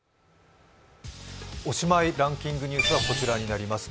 おしまい、ランキングニュースはこちらになります。